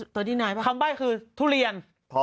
คำป้ายคือทุเรียน